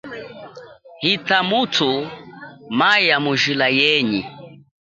Ita muthu maya mujila yenyi.